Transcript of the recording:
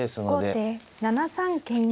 後手７三桂馬。